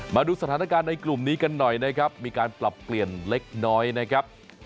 มาดูสถานการณ์ในกลุ่มนี้กันหน่อยนะครับมีการปรับเปลี่ยนเล็กน้อยนะครับ